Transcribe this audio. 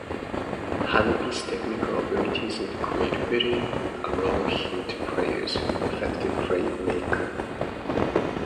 Hanappi's technical abilities and creativity allowed him to play as an effective play-maker.